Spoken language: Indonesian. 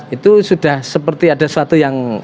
itu sudah seperti ada suatu yang